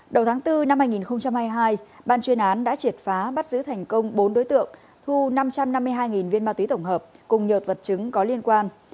đầu tháng bốn năm hai nghìn hai mươi hai ban chuyên án đã triệt phá bắt giữ thành công bốn đối tượng thu năm trăm năm mươi hai viên ma túy tổng hợp cùng nhiều vật chứng có liên quan